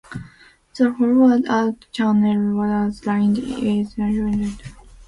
The hollowed-out channel was lined with reinforced concrete, as were both openings.